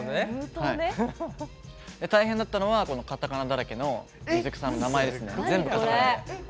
大変だったのはカタカナだらけの水草の名前です。